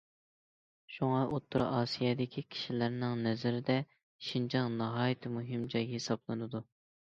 شۇڭا، ئوتتۇرا ئاسىيادىكى كىشىلەرنىڭ نەزىرىدە شىنجاڭ ناھايىتى مۇھىم جاي ھېسابلىنىدۇ.